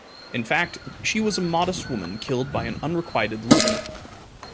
In fact, she was a modest woman killed by an unrequited lover.